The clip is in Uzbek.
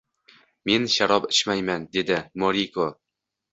— Men sharob ichmayman! – dedi Moriko.